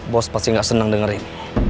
bos pasti gak senang dengerin